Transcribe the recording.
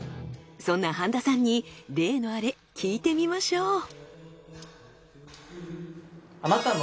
そんな半田さんに例のアレ聞いてみましょう。